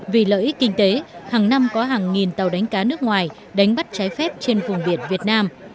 vì lợi ích kinh tế hàng năm có hàng nghìn tàu đánh cá nước ngoài đánh bắt trái phép trên vùng biển việt nam